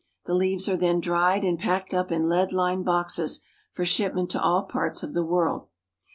The leaves are then dried and packed up in lead lined boxes for shipment to all parts of the world.